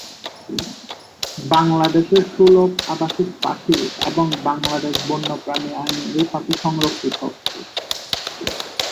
বাংলাদেশের সুলভ আবাসিক পাখি এবং বাংলাদেশ বন্যপ্রাণী আইনে এই পাখি সংরক্ষিত।